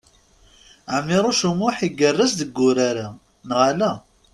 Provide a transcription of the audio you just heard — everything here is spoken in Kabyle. Ɛmiṛuc U Muḥ igerrez deg urar-a, neɣ ala?